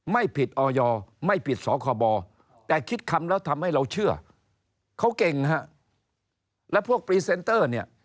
ไม่ผิดออยไม่ผิดสคบแต่คิดคำแล้วทำให้เราเชื่อเขาเก่งฮะแล้วพวกพรีเซนเตอร์เนี่ย